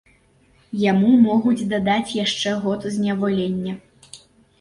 Яму могуць дадаць яшчэ год зняволення.